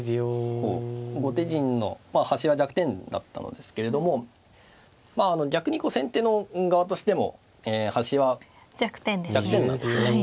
こう後手陣の端は弱点だったのですけれどもまあ逆に先手の側としても端は弱点なんですね。